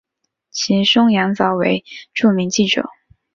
其兄羊枣为著名记者。